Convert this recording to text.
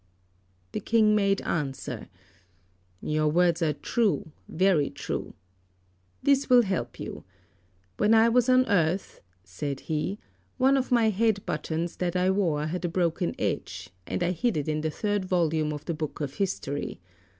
The King made answer, "Your words are true, very true. This will help you: When I was on earth," said he, "one of my head buttons that I wore had a broken edge, and I hid it in the third volume of the Book of History.